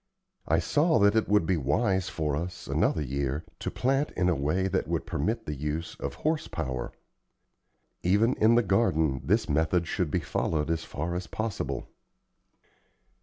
I saw that it would be wise for us, another year, to plant in a way that would permit the use of horse power. Even in the garden this method should be followed as far as possible.